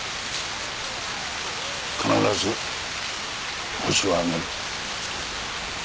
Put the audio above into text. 必ずホシは挙げる。